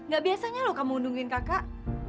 gak biasanya loh kamu ngundungin kakak